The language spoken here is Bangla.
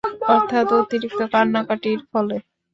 অর্থাৎ অতিরিক্ত কান্নাকাটির ফলে।